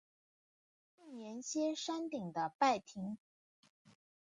重檐歇山顶的拜亭。